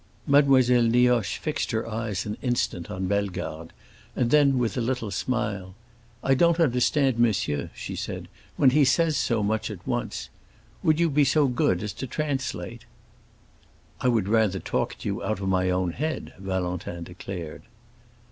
Mademoiselle Nioche fixed her eyes an instant on Bellegarde, and then with a little smile, "I don't understand monsieur," she said, "when he says so much at once. Would you be so good as to translate?" "I would rather talk to you out of my own head," Valentin declared.